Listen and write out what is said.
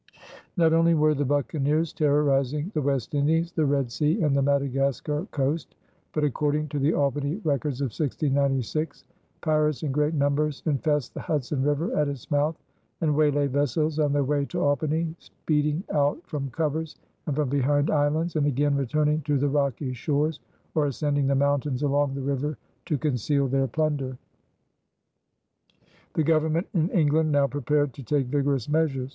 Not only were the buccaneers terrorizing the West Indies, the Red Sea, and the Madagascar coast, but according to the Albany Records of 1696 "pirates in great numbers infest the Hudson River at its mouth and waylay vessels on their way to Albany, speeding out from covers and from behind islands and again returning to the rocky shores, or ascending the mountains along the river to conceal their plunder." The Government in England now prepared to take vigorous measures.